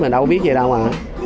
mình đâu có biết gì đâu mà